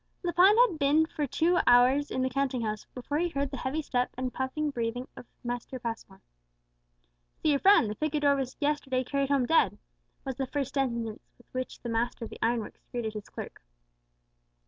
Lepine had been for two hours in the counting house before he heard the heavy step and puffing breathing of Mr. Passmore. "So your friend, the picador, was yesterday carried home dead," was the first sentence with which the master of the iron works greeted his clerk.